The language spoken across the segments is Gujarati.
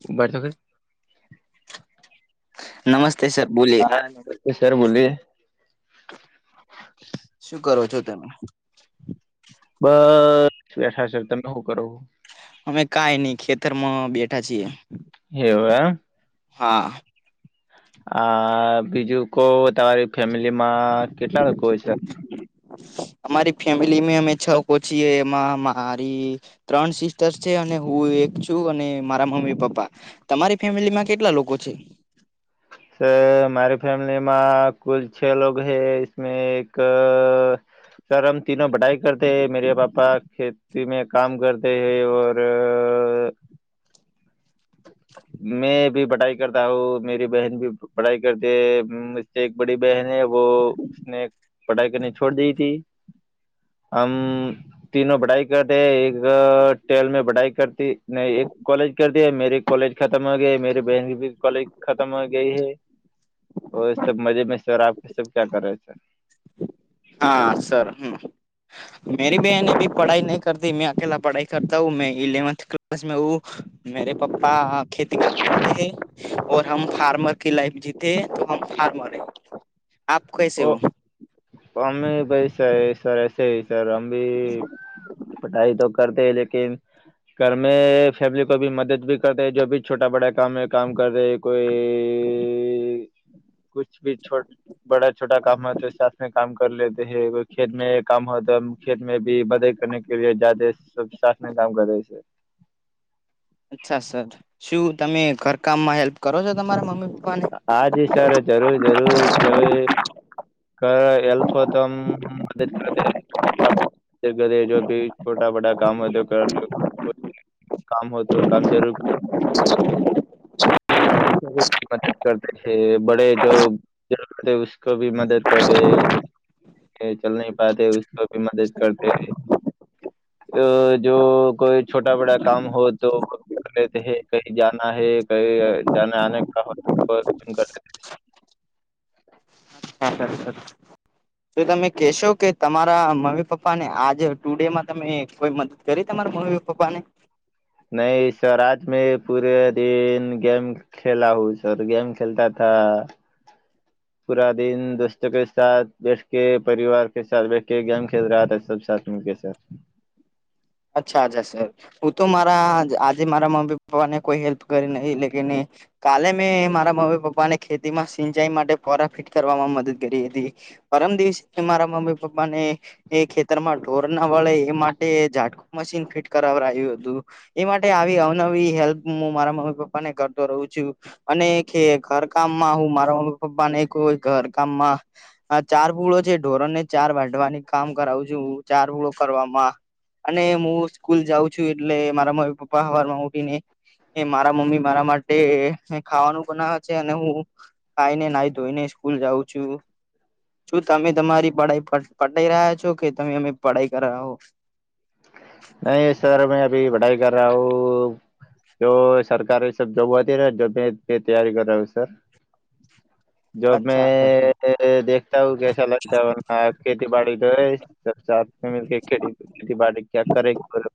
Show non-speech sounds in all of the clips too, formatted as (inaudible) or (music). (unintelligible) નમસ્તે સર બોલીએ સર બોલીએ. શું કરો છો તમે? બસ બેઠા છે. તમે હું કરો? અમે કાઈ ન ખેતરમાં બેઠા છીએ. એવું એમ. હા આ બીજું કો તમારી. (inaudible) ફેમિલીમાં કેટલા લોકો હોય છે. (unintelligible) અમારી ફેમિલી અમે છ કો છીએ એમાં મારી. ત્રણ સિસ્ટર છે. અને હું એક છું. અને મારા મમ્મી પપ્પા. તમારી ફેમિલી માં કેટલા લોકો છે? સર મારી ફેમલીમાં કુલ છ લોગ હૈ. મે એક. સર હમ તીનો બઢાાઈ કરતેે. મેરે પાપા ખેત ખેતી મે કામ કરતે હૈ ઓર મેં ભી બટાઈ કરતા હું. મેરી બહેન ભી. પઢાઈ કરતે હૈ. એક બડી બહેન હૈ વો ઉસને. પઢાઈ કરની છોડ દી થી. હમ તીનો પઢાઈ કરતી હે એક ટ્વેલ રી મે પઢાઈ કરતી ન એક કોલેજ કરતી મેરે કોલેજ ખતમ હો ગયા મેરી બહેન કોલેજ ખતમ હો ગઈ હૈ. ઓ સબ મજેમાં સર આપ સબ ક્યા કરે રહે છે. હા સર હમ. મેરી બહેન બી પઢાઈ નહી કરતી મેં અકેલા પઢાઈ કરતા હું મે ઇલેવન્થ ક્લાસ મે હું મેરે પપ્પા ખેતી કરતે હૈ ઔર હમ ફાર્મર કે લાઈફ જીતેૈ હે તો હમ ફાર્મર હૈ. આપ કસે હો. હમ ભૈસ સર એસ હ સર હમ ભી પઢાઈ તો કરતે લેકિન. ઘર મે ફેમલી કોભી મદદ ભી કરતે હે જો ભી છોટા બડા કામ કામ કરે. કોઈ કુછ ભી છોટ છોટા કામ હો તો સાથ મે કામ કર લેતે હે કોઈ ખેતમાં કામ હો તો ખેતમે બી મદદ કે લિએ જાતે થે સબ સાથ મેં કામ કરે છે. અચ્છા સર શું તમે ઘરકામમાં હેલ્પ કરો છો તમારા મમ્મી પપ્પાને. હાજ સર જરૂર જરૂર જો. કર હેલ્પ હો તો મદદ કરતે હૈ. ઘરે જો ભી છોટા બડા કામ હોય તો કર. કામ હો તો કામ જરૂર મદદ કર છે બડે જો. જરૂર પડે ઉસકો ભી મદદ કરતે. ચલ નહી પાતે ઉસકો ભી મદદ કરતે હે. તો જો કોઈ છોટા બડા કામ હો તો કર લે તે હે કહી જાના હે કહી જાને આને કા હો હ કર હા હા સર. હ (unintelligible) તો તમે કહેશો કે તમારા મમ્મી પપ્પા ને આજે ટુડે માં તમને કોઈ મદદ કરી તમાર મમ્મી પપા ને નહી સર આજ મે પૂરે દિન ગેમ ખેલા હુ સર ગેમ ખેલતા થા પૂરા દિન દોસ્તો કે સાથ બેઠ કે પરિવાર કે સા બેઠકે ગેમ ખેલ રહા સબકે સાથ સર અચ્છા અચ્છા સર હું તો મારા આજે મારા મમ્મી પપ્પાને કોઈ હેલ્પ કરી નહીં લેકિન કાલે મેં મારા મમ્મી પપ્પા ને ખેતીમાં સિંચાઈ માટે પોરા ફિટ કરવામાં મદદ કરી હતી. પરમ દિવસે મારા મમ્મી પપ્પા ને એ ખેતરમાં ઢોર ના વળે એ માટે જ મશીન ફિટ કરાવડાવ્યું તું. એ માટે આવી અવનવી હેલ્પ હું મારા મમ્મી પપ્પાને કરતો રહું છું. અને ઘર કામમાં હું મારા મમ્મી પપ્પા નેહ ઘર કામમાં હા ચાર પૂળો છે ઢોરોને ચાર વાઢવાની કામ કરાવું છું ચાર પૂળો કરવામાં અને હું સ્કૂલ જાઉં છું એટલે મારા મમ્મી પપ્પા હવાર માં ઉઠી ને એ મારા મમ્મી મારા માટે ખાવાનું બનાવે છે અને હું ખાઈ ને નાહી ધોઈ ને સ્કૂલ જાઉં છું. શું તમે તમારી પઢાઈ પટાઈ રહ્યા છો કે તમે અમે પઢાઈ કરવો નહી સર મે અભી પઢાઈ કર રહા હું. તો સરકાર એ સબ જોબ હતી ને જો મે તૈયારી કર રહી સર. જોબ મે અચ્છા એ દેખાયુ કે ખેતીવાડી તો હે સ સા મ કે ખેતી (unintelligible)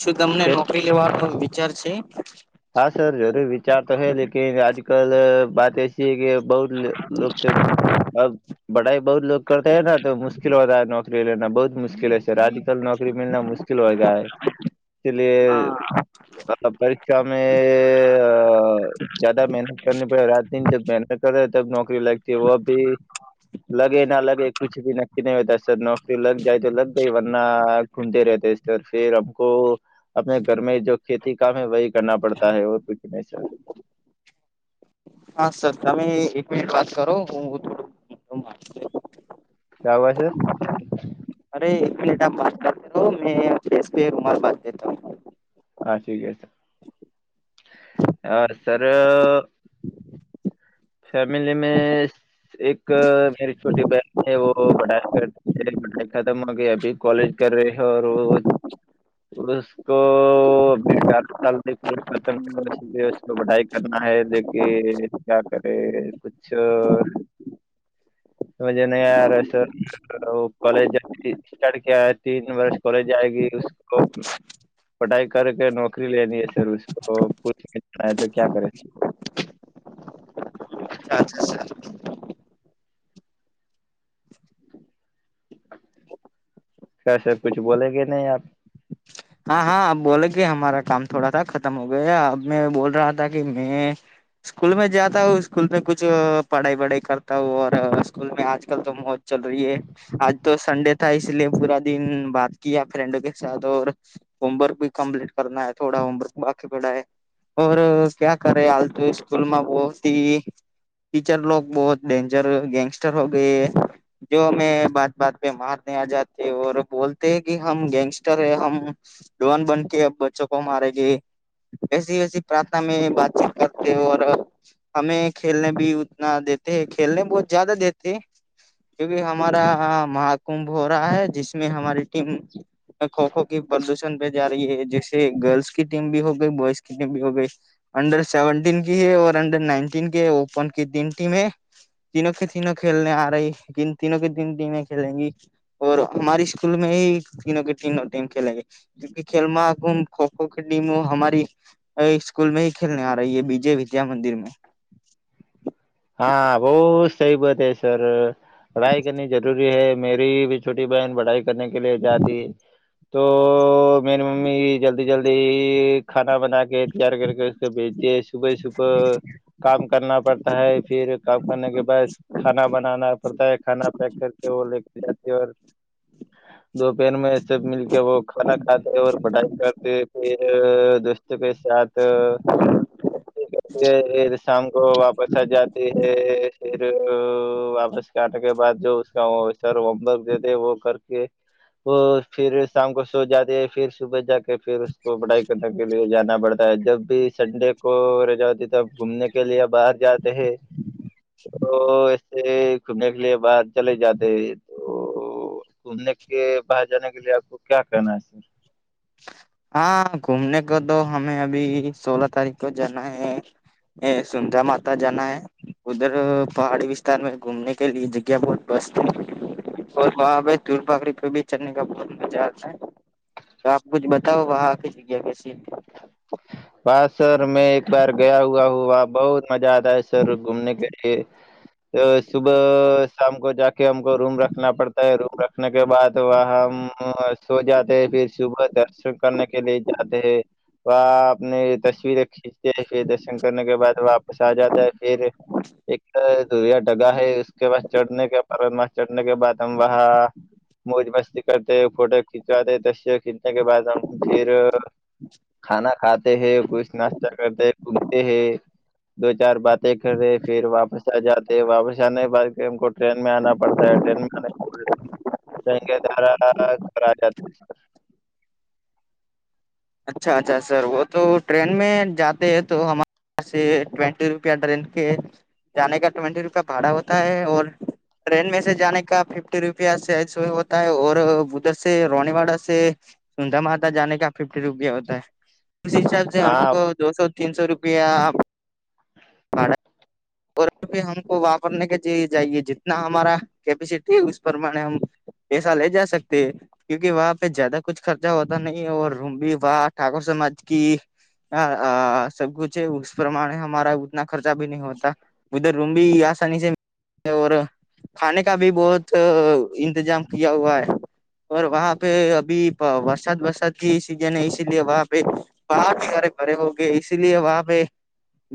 શું તમને નોકરી લેવા તો વિચાર છે? હા સર જરૂર વિચાર તો હૈ લકિ આજ કલ બાત એસી હૈ કે બહુ લોકોસ અ પડાઈ બહુત લોગ કરતે ને તો મુશ્કલ હોતા નોકરી લેના બહુત મુશ્કેલ હ સર આજ કલ નોકરી મિલના મુશ્ક હા (unintelligible) અ જ્યાદા મહેનત કરની પડે રાત દિન જ મહેનત કર તબ નોકરી લગતી વી લગે ના લગે કુછ ભી નક્કી નહીતા સર નોકરી લગ જાય તો લગ ગઈ વરના ઘૂમતે રહેતે ફેર આપકો આપને ઘરમે જો ખેતી કામ હ વહી કરના પડતા હે ઓર કુછ નહી સર હા સર તમે એક મિનિટ વાત કરો હું થોડું (inaudible) (unintelligible) હા ઠીક હે. હ સર- ફેમલી મે એક મેરી છોટી બહેન હ ખાતમ હો કે અભી કોલેજ કર ર હો ઉસકો (unintelligible) (unintelligible) (inaudible) કોલેજ સ્ટાર્ટ તીન વર્ષ કોલેજ આયગ પઢાઈ કર કે નોકરી લેની છે સર પૂછ તો ક્યા કરે? અચ્છા સરા કયા કુછ બોલેગે નહીં આપ? હા હા અ બોલે ગે હમાારા કામ થોડા થા ખતમ હો ગયા અ મેં બોલ રહા કે મેં સ્કૂલ મે જતા હું સ્કૂલ મે કુછ પઢાઈ વઢાઈ કરતા હું સ્કૂલ મે આજ કલ તો મો ચલ રહી હે આજ તો સંડે થા ઈસલિય પૂરા દિન બાત કિયા ફ્રેન્ડો કે સા હોમવર્ક ભી કમ્પ્લીટ કરના થોડા હોમવર્ક બાકી પડા ઓ ક્યા કરે હાલ તો સ્કૂલમાં બહતી ટીચર લ બહુત ડેન્જર ગેંગસ્ટર હો ગયે હૈ. જો હમે બાત બાત પે માારને આજતે ઓ બોલતે કે હમ ગેંગસ્ટર હૈ હમ ડોન બન કે બચ્ચો કો મારે છે એસી વૈસી પ્રાર્થના મે વાતચીત કરતે હો હમે ખેલને ભી ઉતના દે હૈ ખેલને બહુ જ્યાદા દતે કુકી હમાારા મહાકુંભ હો રા હૈ જીમે હ ટીમ ખો ખો કે પ્રદૂષણ પે જા રહી હ જૈસે ગર્લ્સ ક ટીમ ભી હો ગઈ બોયઝ ક ટીમ ભી હો ગઈ અંડર સેવન્ટીન ક હૈર અંડર નાઇનટીન કે ઓપન કે તીન ટીમ હૈ તિન કે તિન ખેલને આ રહી લન તીન કે દિ દિને ખેલગી ઓર હમારી સ્કૂલ મે તી કે તીન ટીમ ખેલેગ જો ખેલમાહા કુંભ ખો ખો કે ટીમ હો હમારી એક સ્કૂલ મે ખેલને આ રહી હૈ બીજે વિદ્યા મંદિર મે હા બહુ સહી બતાયા સર પઢાઈ કરની જરૂરી હે મેરી ભ છોટી બહેન પડાઈ લ કરને કે લિયે જતી તો મેરી મમ્મી જલ્દી જલ્દી ખાના બના કે તૈયાર કર ભજતી સુબહ સુબ કામ કરના પડતા હૈ ફિર કામ કરને કે બાદ ખાના બનાના પડતા હે ખાના પેક કર લેકે જતી દપહેર મે સબ મી કે વ ખા ખાતે બઢાઈ કરતે દોસ્તો કે સા તો શામ કો વાપસ સજાતી હૈ ફર વાપસ ખાને કે બાદ જો વો ઉસકા વો સર હોમવર્ક દેતે હે વો કરતી હે ફીર શામ કો સોજાતી ફિર સુબ જાકે ફીર ઉસકો પઢાઈ કરવા કરને કે લ્યે જાના પડતા જબ ભી સંડે કો રજા હોતી તબ ઘૂમને કે લે બહાર જા (unintelligible) ઘૂમને કે લ્યે બહાર ચલે જતે તો તો ઘૂમને કે બહર જાને કે લે આપકો ક્યા કરના હે સર હા ઘૂમને કો તો હમે અભી સોલા તારીખ કો જાના હૈ એ સુંંધા માતા જાના હૈ ઉધર પહાડી વિસ્તાર મે ઘૂમને કે લ્યે જગ્યા બહુ મસ્ત હે ઓર વહા પે ધૂલપાકડી પે ભી ચઢને કા બહુત મજા આતા હે તો આપ કુછ બતાવો વહા કી જગ્યા કેસી હે વાહ સર મેં એક બાર ગયા હુઆ હું વહા બહુત મજા આતા હૈ સર ઘૂમને કે એ સુબ શામ કો જાકે હમકો રૂમ રખના પડતા હે રૂમ રખ રખને કે બાદ વહા હમ સો જાતે ફીર સુબહ દર્શન કરને કે લિયે જાતે હૈ વા આપને તસ્વીરે ખીચતે હે ફિર દર્શન કરને કે બા વાપસ આ જાતે હે ફેર એક સૂર્યા ડગા હૈ ઉસકે બાદ ચઢને કે પર ચઢને કે બાદ હમ વહા મોજ મસ્તી કરતે ફોટો ખીચવાતે તસવીર ખીચને કે બા હમ ફિર (inaudible) ખાના ખાતે હૈ કુછ નાસ્તા કરતે હે ઘૂમતે હૈ દો ચાર બાતે કરે ફીર વાપસ આ જાતે વાપસ આને કે બાદ ફિર હમકો ટ્રેનમાં આના પડતા ટ્રેન ટ દ્વારા ઘ અચ્છા અચ્છા સર વ તો ટ્રેન મે જાતે હ તો વ્હાસે ટ્વેન્ટી રૂપિયા ટ્રેન કે જાને કા ટ્વેન્ટટી રૂપિયા ભાડા હોતા હે ટ્રેન મેસે જાને કા ફિફ્ટી રૂપિયા (unintelligible) સે હોતા હે ઓર ઉધરસે રોનીવાડા સે સુુંંધા માતા જાનેકા ફિફ્ટી રૂપિયા હોતા હે ઉસી હિસાબ સે હમકો દોસો તીનસો રૂપિયા આપ ભાડા ઓર વ્હાપે હમકો વાપરને કે જે ચાહિયે જીતના હમારા કેપેસિટી હે ઉસ પ્રમાણે આમ પૈસા લે જા સકતે હ ક્યુકી વ્હા પે જ્યાદા કુછ ખર્ચા હોતા નહીં (unintelligible) સબકુછ હે પ્રમાણે હમારા ઉતના ખર્ચા ભી નહી હોતા. ઉધર રૂમ ભી આસની ખાને કા ભી બહુત ઇંતજામ કીયા હુવા હૈ પર વહં પે અભી વરસાદ વરસાદ સીજન યે વાહ પે બહારે ભરે હોગે વહ પે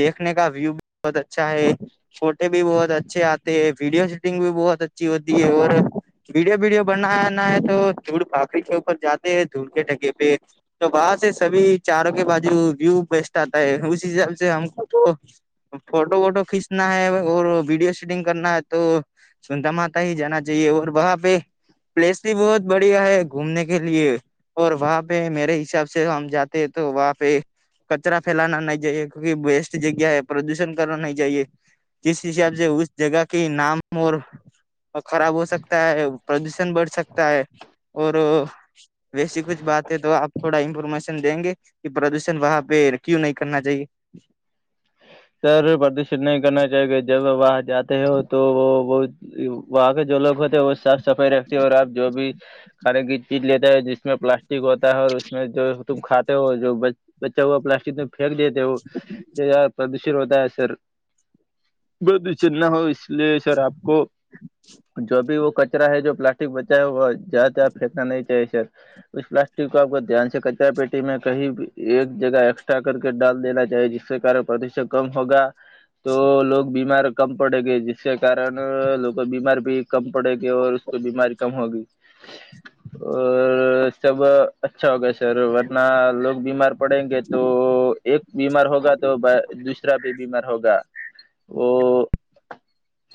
દેખને કા વ્યુ બહુંત અચ્છા હૈ. ફોટો ભી બહુત અચ્છે આતે હ વિડિયો શૂટિંગ ભી બહુત અચ્છી હોતી ઓર ભીડિયો વીડિયો બનના ના તો ધૂળ ભાપરી કે ઉપર જાતે હ ધૂળ કે ઢગ કે પે. તો વાહ સી ચારો કે બાજુ વ્યુ બેસ્ટસ્ટ આતા (unintelligible) હિસાબમ ફોટો વોટો ખીંચના હ વિડિયો શૂટિંગ કરના હ તો સુુંતાર માતા હ જાના ચાહીએ વહા પે પ્લેસ બહુત બડિયા હૈ ઘૂમને કે લી એ ઓર મેરે હિસાબે હમ જાતે તો વાપે કચરા ફેલના નહી જઈએ ક બેસ્ટસ્ટ જગ્યા હૈ પ્રદૂષણ કરના નહી જઈએ. જ હિસાબ ઉસ જગહ કે નામ ઓર ખરાબ હો સકતા હ પ્રદૂષણ બઢ સકતા હૈ ઓર વેસી કુછ બાત તો આપ થોડા ઇન્ફોર્મેશન દેગે કે પ્રદૂષણ વહ પે ક્યુ નહી કરના ચાઇએ? સર પ્રદર્શિત નહી કરના ચા કે જબ વાહ જાતે હો તો બહુત વહં કે (unintelligible) હોતે વ સાફ સફાઈ રખતી આપ જો ભી ખાને ક ચીજ લેતા હ જીમે પ્લાસ્ટિક હોતા ઓર જો તુમ ખાતે હો જો બચ્ચા હુવા પ્લાસ્ટિક ફેંક દેતે હો પ્રદૂષિત હોતા સર પ્રદૂષિત ના હો સર આપકો જો ભી વો કચરા હૈ જો પ્લાસ્ટિક બચ્ચા હુંવા (unintelligible) ફેંકના નહી ચાઈએ સર પ્લાસ્ટિક કો આપ ધ્યાન છે કચરાપેટીમાં મે કહી એક જગા એકક્સ્ટ્રા કર ડાલ દેના ચાહીએ જિસસે કારણ પ્રતિષણ કમ હોગ તો લોક બીમાર કમ પડેગી જિસસે કારણ લોકો બીમારભી કમ પડેગે બીમારી કમ હોગી. ઓ સબ અચ્છા હોયા સર વરના લોગ બીમાર પડેગે તો એક બીમાર હોગા તો દુસરા ભી બીમાર હોગા વો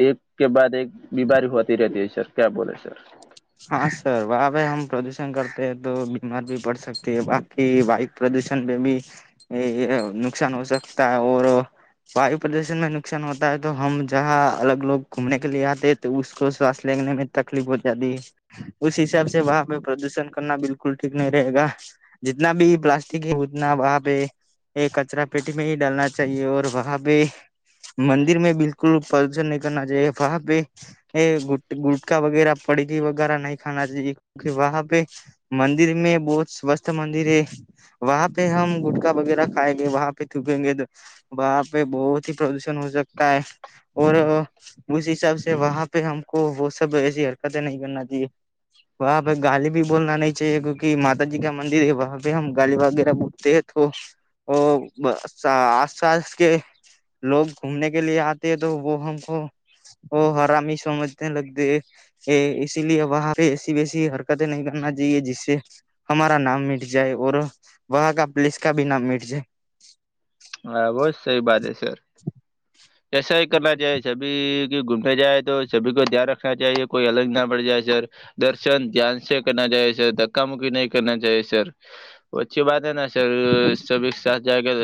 એક કે બાદ એક બીમારી હોતી રેહતી હ સર ક્યાં બોલે સર હા સર વાહ હમ પ્ર કરતે તો બીમારભી પડ સકતે હ બાકી વાયુ પ્રદૂષણભી એ નુકસાન હો સકતા ઓર વાયુ પ્રદૂષણમાં નુકસાન હોતા હ તો હમ જહા અલગ લોકો ઘૂમને કે લીએ આતે તો સ્વાસ્થ્ય લેને તકલીફ હો જતી હે હિસાબથી વહા પે પ્રદૂષણ કરના બિકુલ ઠીક નહી રહેગા. જીતના ભી પ્લાસ્ટિક હૈ ઉતના વહા પે એ કચરા પેટીમે હી ડાલના ચાહીએ ઓર વહાપે મંદિર મે બિલકુલ પ્રદૂષણ નહીં કરના ચાહીએ વાહપે એ ગુટ ગુટકા વગેરે પડકી (unintelligible) નહી ખાના (inaudible) વહાપે મંદિર મે બહુ સ્વસ્થ મંદિર હૈ. વહ પે હમ ગુટખા વગેરાહ ખાગે વહં પે થૂકગે તો વહા પે બહુત હી પ્રદુષણ હો સકતા હૈ. ઓઔ ઉસ હિસાબસે વહા પે હમકો વો સબ એસી હરકતે નહી કરના (inaudible) વહા પે ગાલી ભી બોલના નહી ચાહીએ કયુકી માતાજીકા મંદિર હૈ વહા પે હમ ગાલી વગેરે બોલતેે હે તો ઓર આસપાસ કે લોકો ઘૂમને કે લીયે આતેે તો વો હમકો ઓહ! હરામી સમજને લગદે એ ઈ ઈસી લીએ વહા પે એસી વેસી હરકતે નહી કરના ચાહીએ જિસસે. હમારા નામ મિટ જાય ઓર વહા કા પ્લેસ કાભી નામ મિટ જાય. હા વો સહી બાત હે સર. એસા હી કરના ચાહીએ સભીકો ઘુમને જાએ તો સભી કો ધ્યાન રખના ચાહીએ કોઈ અલગ ના પડ જાયે સર. દર્શન ધ્યાન સે કરના ચાહીએ સર ધક્કામુકી નહી કરના ચાહીએ સર. વો અચ્છી બાત હૈ ના સર સભી એક સાથ જાયેગે તો